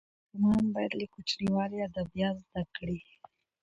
ماشومان باید له کوچنیوالي ادبیات زده کړي.